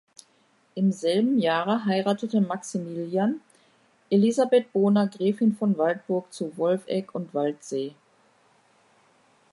Im selben Jahre heiratete Maximilian Elisabeth Bona Gräfin von Waldburg zu Wolfegg und Waldsee.